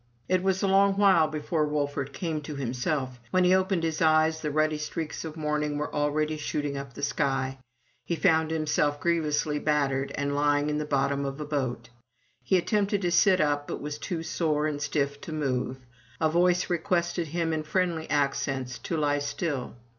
It was a long while before Wolfert came to himself. When he opened his eyes, the ruddy streaks of morning were already shoot ing up the sky. He found himself grievously battered, and lying in the bottom of a boat. He attempted to sit up, but was too sore and stiff to move. A voice requested him in friendly accents to lie still.